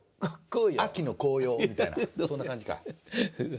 秋の紅葉」みたいなそんな感じか。